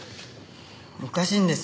おかしいんです